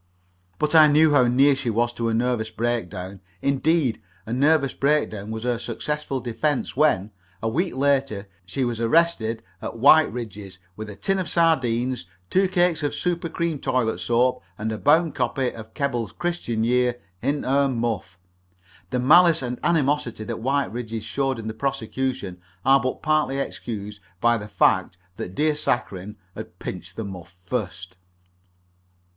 But I knew how near she was to a nervous breakdown. Indeed, nervous breakdown was her successful defence when, a week later, she was arrested at Whiteridge's with a tin of sardines, two cakes of super cream toilet soap, and a bound copy of Keble's "Christian Year" in her muff. The malice and animosity that Whiteridge's showed in the prosecution are but partly excused by the fact that dear Saccharine had pinched the muff first.